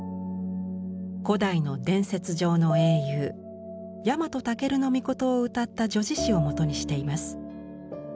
古代の伝説上の英雄倭建命をうたった叙事詩をもとにしています。